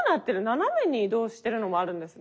斜めに移動してるのもあるんですね。